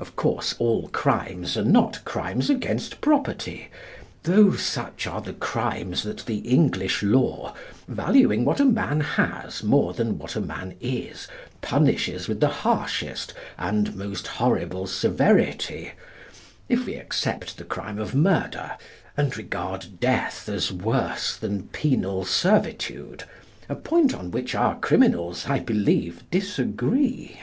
Of course, all crimes are not crimes against property, though such are the crimes that the English law, valuing what a man has more than what a man is, punishes with the harshest and most horrible severity, if we except the crime of murder, and regard death as worse than penal servitude, a point on which our criminals, I believe, disagree.